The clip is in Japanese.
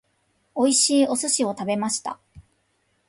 美味しいお寿司を食べました。